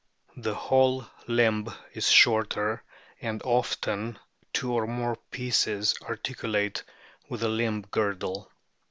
The whole limb is shorter, and often two or more pieces articulate with the limb girdle.